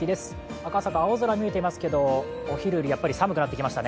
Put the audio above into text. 赤坂、青空見えていますけどお昼よりやっぱり寒くなってきましたね。